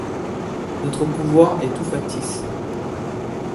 Notre pouvoir est tout factice.